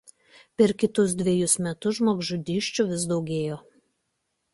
Per kitus dvejus metus žmogžudysčių vis daugėjo.